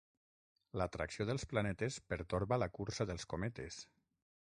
L'atracció dels planetes pertorba la cursa dels cometes.